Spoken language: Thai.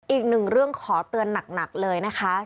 อีกหนึ่งเรื่องขอเตือนหนักเลยนะคะ